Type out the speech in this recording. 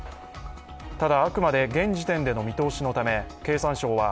ただ、あくまで現時点での見通しのため、経産省は